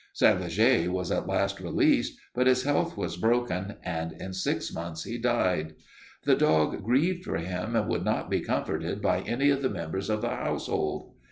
St. Leger was at last released, but his health was broken and in six months he died. The dog grieved for him and would not be comforted by any of the members of the household.